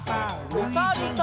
おさるさん。